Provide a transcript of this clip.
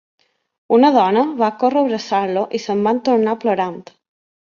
Una dona va córrer a abraçar-lo i se'n va entornar plorant.